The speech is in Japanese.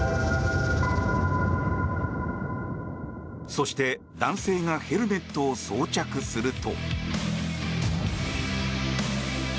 そして、男性がヘルメットを装着すると。